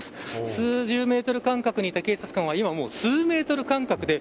数十メートル間隔にいた警察官は今はもう数メートル間隔で。